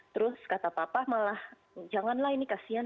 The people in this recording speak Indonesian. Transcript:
terus kata papa malah janganlah ini kasian